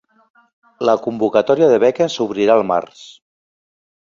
La convocatòria de beques s'obrirà al març